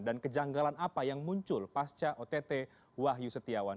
dan kejanggalan apa yang muncul pasca ott wayu setiawan